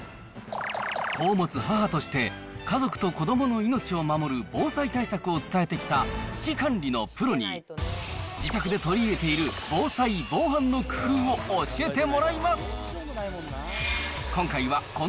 子を持つ母として、家族と子どもの命を守る防災対策を伝えてきた危機管理のプロに、自宅で取り入れている防災・防犯の工夫を教えてもらいます。